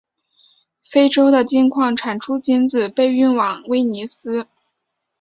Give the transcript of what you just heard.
非洲的金矿产出金子被运往威尼斯。